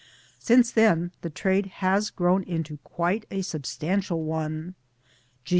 Since then the trade has grown into quite a substantial one. G.